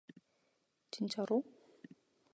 진짜로?